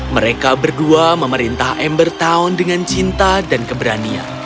mereka berdua memerintah ember town dengan cinta dan keberanian